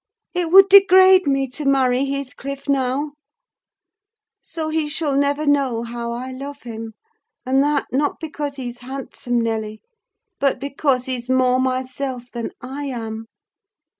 It would degrade me to marry Heathcliff now; so he shall never know how I love him: and that, not because he's handsome, Nelly, but because he's more myself than I am.